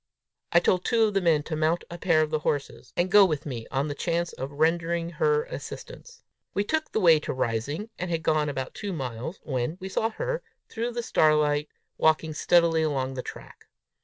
I told two of the men to mount a pair of the horses, and go with me on the chance of rendering her assistance. We took the way to Rising, and had gone about two miles, when we saw her, through the starlight, walking steadily along the track.